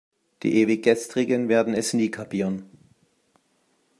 Die Ewiggestrigen werden es nie kapieren.